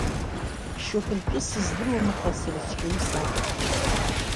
Шьоукы рҿы сыздыруам, аха сара сҿы ус акәын.